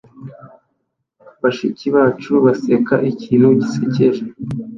Bashiki bacu baseka ikintu gisekeje